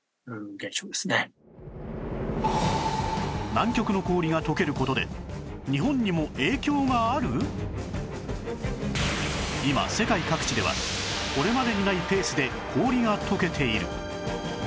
南極の氷が溶ける事で今世界各地ではこれまでにないペースで氷が溶けている